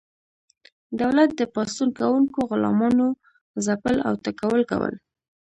دولت د پاڅون کوونکو غلامانو ځپل او ټکول کول.